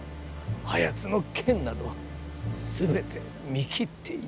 あやつの剣などすべて見切っていた。